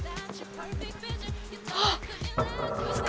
あっ！？